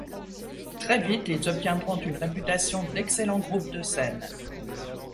Très vite, ils obtiendront une réputation d'excellent groupe de scène.